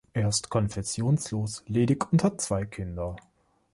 Er ist konfessionslos, ledig und hat zwei Kinder.